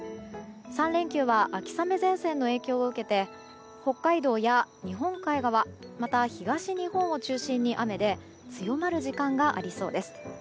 ３連休は秋雨前線の影響を受けて北海道や日本海側また、東日本を中心に雨で強まる時間がありそうです。